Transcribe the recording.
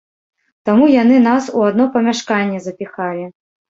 Таму яны нас у адно памяшканне запіхалі.